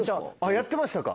やってましたか。